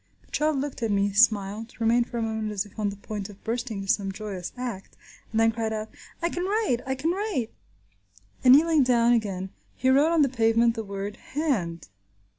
The child looked at me, smiled, remained for a moment as if on the point of bursting into some joyous act, and then cried out, "I can write! I can write!" and kneeling down again he wrote on the pavement the word "hand."